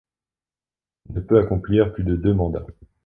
Il ne peut accomplir plus de deux mandats.